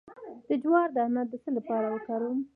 د جوار دانه د څه لپاره وکاروم؟